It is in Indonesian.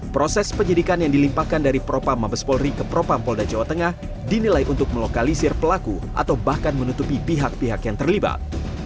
proses penyidikan yang dilimpahkan dari propam mabes polri ke propam polda jawa tengah dinilai untuk melokalisir pelaku atau bahkan menutupi pihak pihak yang terlibat